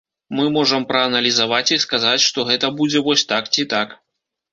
Мы можам прааналізаваць і сказаць, што гэта будзе вось так ці так.